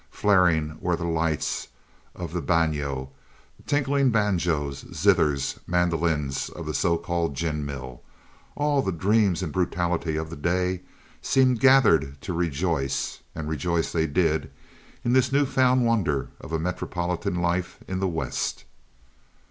Flaring were the lights of the bagnio; tinkling the banjos, zithers, mandolins of the so called gin mill; all the dreams and the brutality of the day seemed gathered to rejoice (and rejoice they did) in this new found wonder of a metropolitan life in the West.